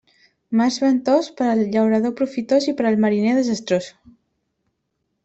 Març ventós, per al llaurador profitós i per al mariner desastrós.